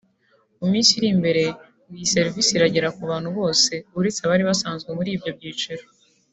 mu minsi iri imbere ngo iyi serivisi izagera ku bantu bose uretse abari basanzwe muri ibyo byiciro